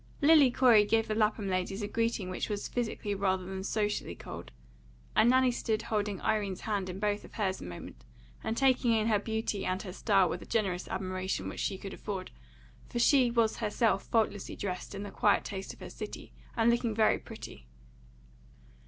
Lily Corey gave the Lapham ladies a greeting which was physically rather than socially cold, and Nanny stood holding Irene's hand in both of hers a moment, and taking in her beauty and her style with a generous admiration which she could afford, for she was herself faultlessly dressed in the quiet taste of her city, and looking very pretty.